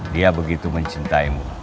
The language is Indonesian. dia begitu mencintaimu